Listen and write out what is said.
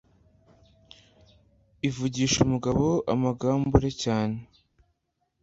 Ivugisha umugabo amagambure cyane;